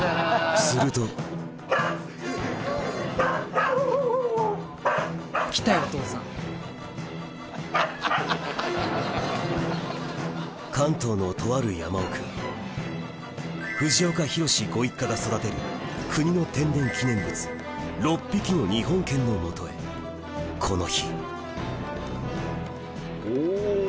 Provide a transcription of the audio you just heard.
すると関東のとある山奥藤岡弘、ご一家が育てる国の天然記念物６匹の日本犬のもとへこの日おぉ。